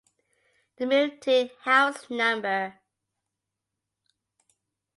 The move to house no.